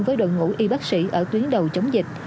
với đội ngũ y bác sĩ ở tuyến đầu chống dịch